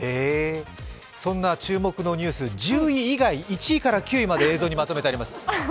そんな注目のニュース、１０位以外、１位から９位まで映像にまとめてあります。